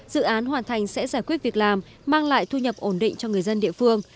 dự án hoàn thành sẽ giải quyết việc làm mang lại thu nhập ổn định cho người dân địa phương